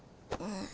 うん。